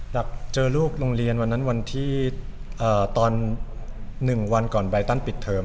เจอลูกโรงเรียนวันนั้นวันที่ตอน๑วันก่อนไบตันปิดเทอม